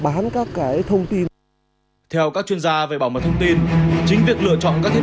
bán các cái thông tin theo các chuyên gia về bảo mật thông tin chính việc lựa chọn các thiết